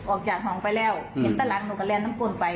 ออกจากห้องไปแล้วเห็นตาหลังหนูก็แลนน้ำก้นไป